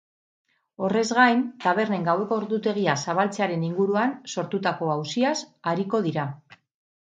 Horrez gain, tabernen gaueko ordutegia zabaltzearen inguruan sortutako auziaz ariko dira.